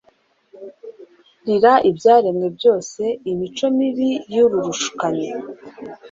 rira ibyaremwe byose imico mibi y'luruushukanyi.